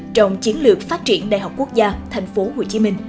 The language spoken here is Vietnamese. trong chiến lược phát triển đại học quốc gia tp hcm